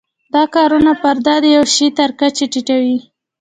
دا کارونه فرد د یوه شي تر کچې ټیټوي.